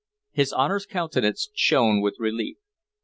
His Honor's countenance shone with relief.